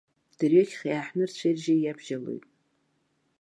Дырҩегьых иааҳәны рцәеи ржьи иабжьалоит.